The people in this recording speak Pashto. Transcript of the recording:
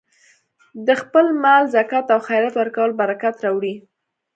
د خپل مال زکات او خیرات ورکول برکت راوړي.